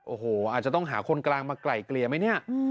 โอ้โหอาจจะต้องหาคนกลางมาไกล่เกลี่ยไหมเนี่ย